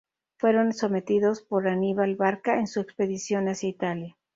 Fueron sometidos por Aníbal Barca en su expedición hacia Italia.